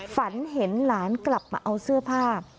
ฝันเห็นหลานกลับมาเอาเสื้อผ้า